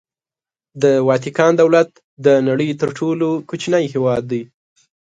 د واتیکان دولت د نړۍ تر ټولو کوچنی هېواد دی.